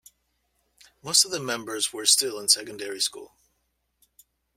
Most of the members were still in secondary school.